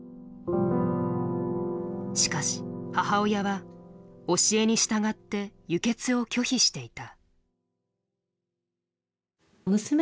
しかし母親は教えに従って輸血を拒否していた。